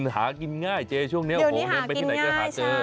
หากินง่ายเจ๊ช่วงนี้โอ้โหเดินไปที่ไหนก็หาเจอ